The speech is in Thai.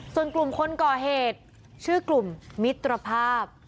ส่วนกลุ่มคนก่อเหตุชื่อกลุ่มมิตรภาพ